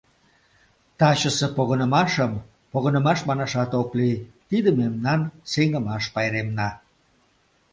— Тачысе погынымашым погынымаш манашат ок лий, тиде мемнан сеҥымаш пайремна...